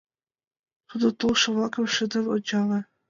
Тудо толшо-влакым шыдын ончале.